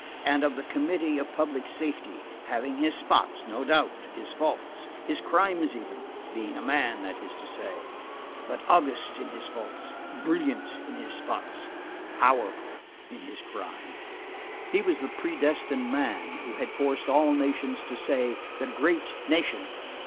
and of the Committee of Public Safety, having his spots, no doubt, his faults, his crimes even, being a man, that is to say; but august in his faults, brilliant in his spots, powerful in his crime. He was the predestined man, who had forced all nations to say: "The great nation!"